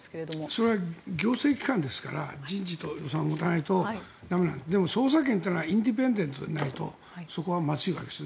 それは行政機関ですから人事と予算を持たないとだめですけどでも捜査権というのはインディペンデントでないとまずいわけです。